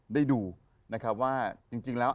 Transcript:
ได้ดูว่าจริงแล้ว